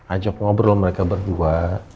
ajak ngobrol mereka berdua